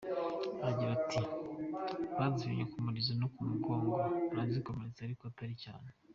Agira ati “Bazitemye ku murizo no mu mugongo, barazikomeretsa ariko atari cyane.